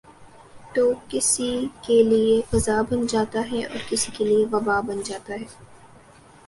تو کسی کیلئے غذا بن جاتا ہے اور کسی کیلئے وباء بن جاتا ہے ۔